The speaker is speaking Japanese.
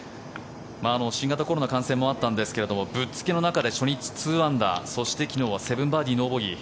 新型コロナ感染もあったんですがぶっつけの中で初日２アンダーそして昨日は７バーディー、ノーボギー